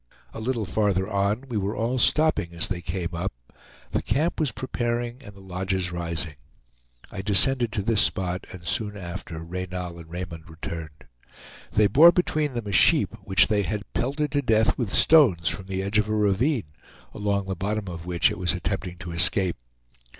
A little farther on, all were stopping as they came up; the camp was preparing, and the lodges rising. I descended to this spot, and soon after Reynal and Raymond returned. They bore between them a sheep which they had pelted to death with stones from the edge of a ravine, along the bottom of which it was attempting to escape.